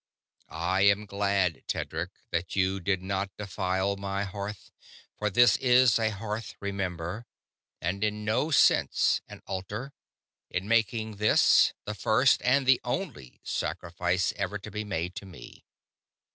I am glad, Tedric, that you did not defile my hearth for this is a hearth, remember, and in no sense an altar in making this, the first and the only sacrifice ever to be made to me.